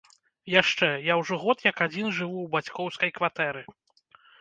Яшчэ, я ўжо год як адзін жыву ў бацькоўскай кватэры.